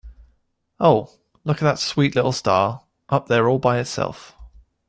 Oh, look at that sweet little star up there all by itself.